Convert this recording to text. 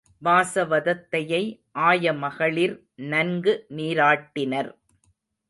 வாசவதத்தையை ஆயமகளிர் நன்கு நீராட்டினர்.